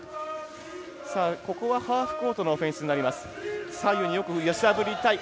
ここはハーフコートのオフェンスになります。